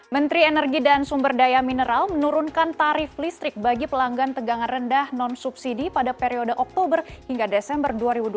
menteri energi dan sumber daya mineral menurunkan tarif listrik bagi pelanggan tegangan rendah non subsidi pada periode oktober hingga desember dua ribu dua puluh